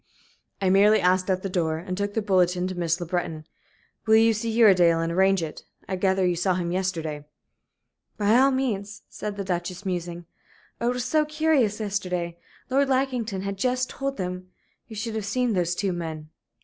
"I merely asked at the door, and took the bulletin to Miss Le Breton. Will you see Uredale and arrange it? I gather you saw him yesterday." "By all means," said the Duchess, musing. "Oh, it was so curious yesterday. Lord Lackington had just told them. You should have seen those two men."